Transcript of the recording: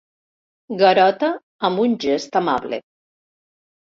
Garota amb un gest amable.